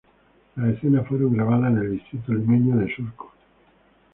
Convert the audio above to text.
Las escenas fueron grabadas en el distrito limeño de Surco.